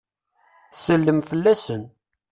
Tsellem fell-asen.